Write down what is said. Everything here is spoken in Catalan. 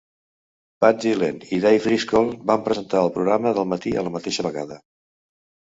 Pat Gillen i Dave Driscoll van presentar el programa del matí a la mateixa vegada.